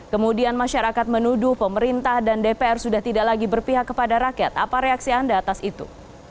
kemudian masyarakat menuduh pemerintah dan dpr sudah tidak lagi berpihak kepada rakyat apa reaksi anda atas itu